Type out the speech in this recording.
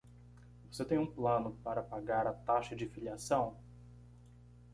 Você tem um plano para pagar a taxa de filiação?